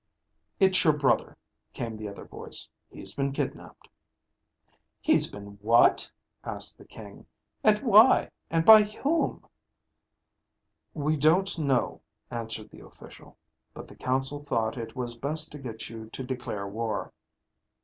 "It's your brother," came the other voice. "He's been kidnaped." "He's been what?" asked the King. "And why? And by whom?" "We don't know," answered the official. "But the council thought it was best to get you to declare war."